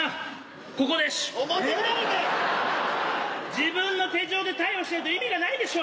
自分の手錠で逮捕しないと意味がないでしょ！